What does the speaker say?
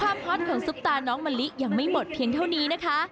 ฮอตของซุปตาน้องมะลิยังไม่หมดเพียงเท่านี้นะคะ